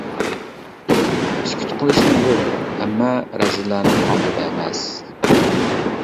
؟؟ سۈكۈت قىلىشنى بىل، ئەممە رەزىللەرنىڭ ئالدىدا ئەمەس!